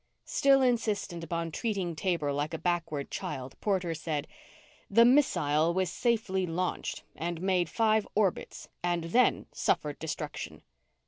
Still insistent upon treating Taber like a backward child, Porter said, "The missile was safely launched and made five orbits and then suffered destruction."